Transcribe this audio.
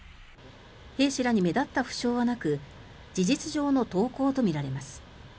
兵士らに目立った負傷はなく事実上の投降とみられます。